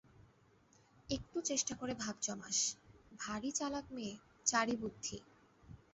একটু চেষ্টা করে ভাব জমাস, ভারি চালাক মেয়ে, চারি বুদ্ধি।